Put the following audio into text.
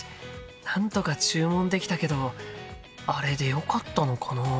なんとか注文できたけどあれでよかったのかな？